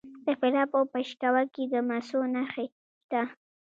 د فراه په پشت کوه کې د مسو نښې شته.